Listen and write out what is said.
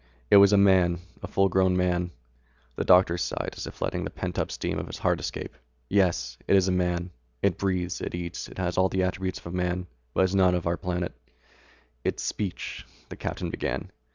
"It was a man, a full grown man." The doctor sighed as if letting the pent up steam of his heart escape. "Yes, it is a man. It breathes, it eats, it has all the attributes of a man. But it is not of our planet." "Its speech ..." the captain began.